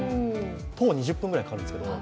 徒歩２０分ぐらいかかるんですけど